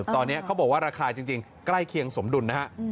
ตอนนี้เขาบอกว่าราคาจริงใกล้เคียงสมดุลนะฮะ